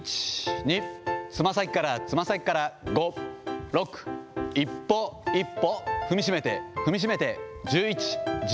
１、２、つま先から、つま先から、５、６、一歩一歩踏みしめて、踏みしめて、１１、１２。